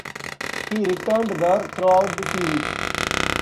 He returned there throughout the series.